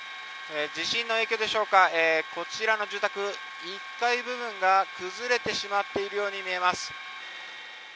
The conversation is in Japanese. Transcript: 地震の影響でしょうか、こちらの住宅１階部分が崩れてしまっているように見えます。